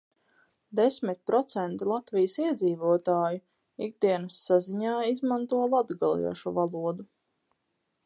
Desmit procenti Latvijas iedzīvotāju ikdienas saziņā izmanto latgaliešu valodu.